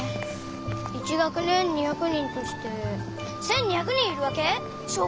１学年２００人として１，２００人いるわけ？小学校に。